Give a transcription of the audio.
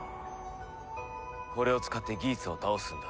これを使ってギーツを倒すんだ。